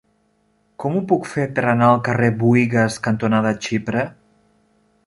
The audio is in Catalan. Com ho puc fer per anar al carrer Buïgas cantonada Xipre?